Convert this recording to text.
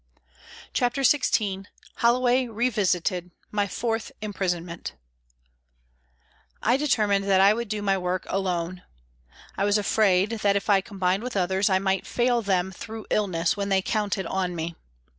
CHAPTER XVI HOLLOWAY REVISITED : MY FOURTH IMPRISONMENT I DETERMINED that I would do my work alone. I was afraid that, if I combined with others, I might fail them, through illness, when they counted on me.